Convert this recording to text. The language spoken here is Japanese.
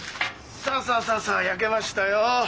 さあさあさあさあ焼けましたよ。